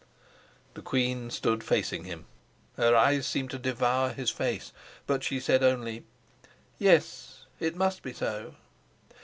The queen stood facing him. Her eyes seemed to devour his face; but she said only: "Yes, it must be so."